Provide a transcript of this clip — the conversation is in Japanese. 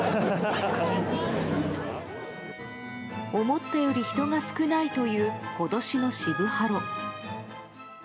思ったより人が少ないという今年の渋ハロ。